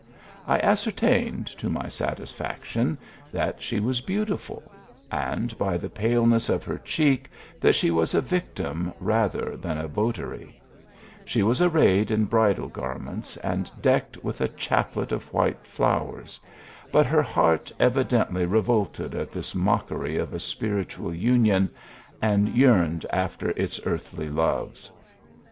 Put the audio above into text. I as certained, to my satisfaction, that 4)^ was beautiful ; and by the paleness oi her cheek, that she was a victim, rather than a votary, fefce was arrayed in bridal garments, and drdced with a chaplet of white flowers ; but her heart evidently revolted at thii mockery of a spiritual union, and yearned after its earthly loves.